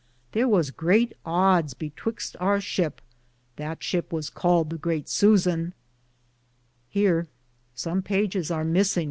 Thare was great odes betwixte our shipp, that ship was caled the Great Suzana {Here some pages are missing?